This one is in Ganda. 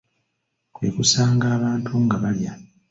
Kwe kusanga abantu nga balya.